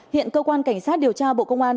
hiện cơ quan cảnh sát điều tra bộ công an